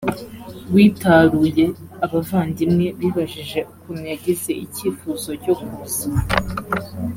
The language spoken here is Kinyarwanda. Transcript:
witaruye abavandimwe bibajije ukuntu yagize icyifuzo cyo kuza